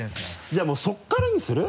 じゃあもうそこからにする？